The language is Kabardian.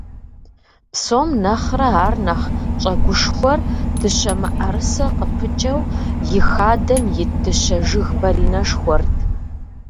Псом нэхърэ ар нэхъ щӀэгушхуэр дыщэ мыӀэрысэ къыпыкӀэу и хадэм ит дыщэ жыг баринэшхуэрт.